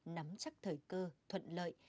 nắm chắc thời cơ thuận lợi